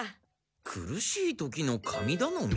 「苦しい時の神だのみ」？